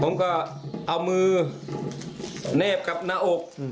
ผมก็เอามือเนบกับหน้าอก